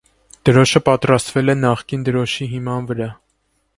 Դրոշը պատրաստվել է նախկին դրոշի հիման վրա։